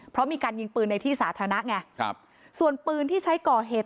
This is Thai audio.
เพราะมีการยิงปืนในที่สาธารณะไงครับส่วนปืนที่ใช้ก่อเหตุ